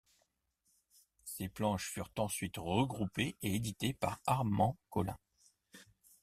Ces planches furent ensuite regroupées et éditées par Armand Colin.